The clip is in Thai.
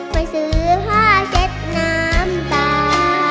ไปซื้อผ้าเซ็ตน้ำตา